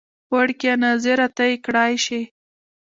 وړکیه ناظره ته یې کړی شې.